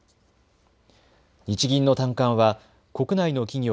日銀の短観は国内の企業